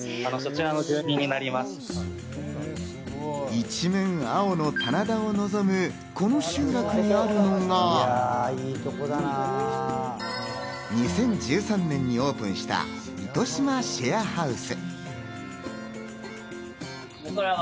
一面青の棚田を望む、この集落にあるのが、２０１３年にオープンした、いとしまシェアハウス。